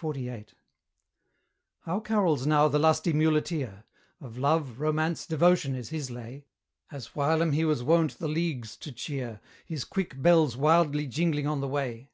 XLVIII. How carols now the lusty muleteer? Of love, romance, devotion is his lay, As whilome he was wont the leagues to cheer, His quick bells wildly jingling on the way?